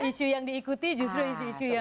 isu yang diikuti justru isu isu yang